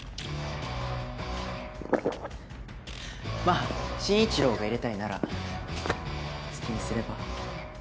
まぁ慎一郎が入れたいなら好きにすれば？